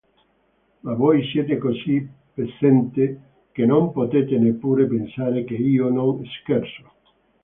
Ma voi siete così pezzente che non potete neppure pensare che io non scherzo.